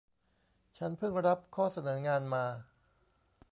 ฉันพึ่งรับข้อเสนองานมา